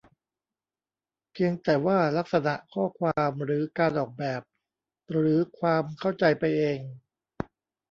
เพียงแต่ว่าลักษณะข้อความหรือการออกแบบ หรือความเข้าใจไปเอง